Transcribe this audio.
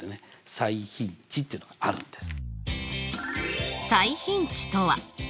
最頻値っていうのがあるんです。